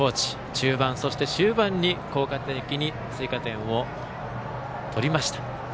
中盤、そして終盤に効果的に追加点を取りました。